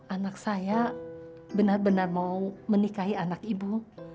anak saya benar benar mau menikahi anak ibu